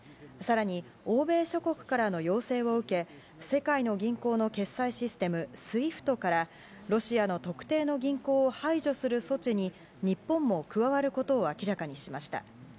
更に、欧米諸国からの要請を受け世界の銀行の決済システムＳＷＩＦＴからロシアの特定の銀行を排除する措置に日本も加わることを明らかにしました。